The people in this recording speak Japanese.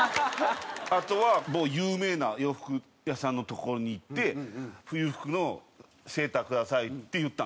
あとは某有名な洋服屋さんの所に行って「冬服のセーターください」って言ったんですよ。